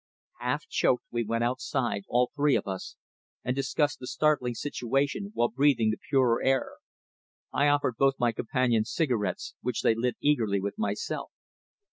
Half choked, we went outside, all three of us, and discussed the startling situation while breathing the purer air. I offered both my companions cigarettes, which they lit eagerly with myself.